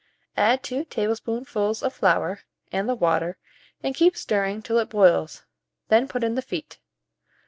Add 2 tablespoonfuls of flour and the water, and keep stirring till it boils; then put in the feet.